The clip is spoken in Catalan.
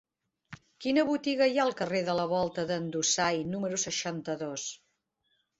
Quina botiga hi ha al carrer de la Volta d'en Dusai número seixanta-dos?